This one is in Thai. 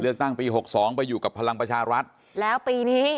ตั้งปีหกสองไปอยู่กับพลังประชารัฐแล้วปีนี้